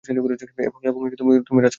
এবং তুমি রাজকুমারী, প্রিয়।